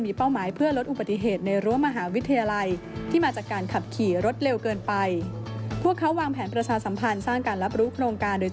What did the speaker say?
มีเป้าหมายเพื่อลดอุปถิเหตุในรั้วมหาวิทยาลัย